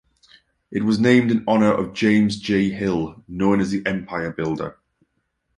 It was named in honor of James J. Hill, known as the Empire Builder.